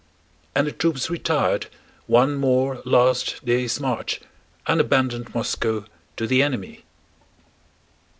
And the troops retired one more, last, day's march, and abandoned Moscow to the enemy.